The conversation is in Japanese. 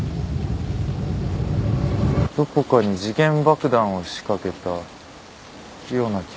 どこかに時限爆弾を仕掛けたような気がする。